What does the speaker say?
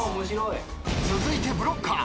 続いてブロッカー。